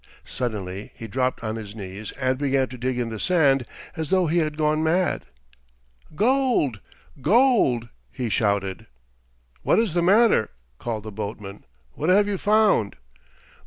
Suddenly he dropped on his knees and began to dig in the sand as though he had gone mad. "Gold! Gold!" he shouted. "What is the matter?" called the boatman. "What have you found?"